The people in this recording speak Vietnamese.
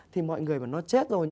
thì mọi người bảo nó chết rồi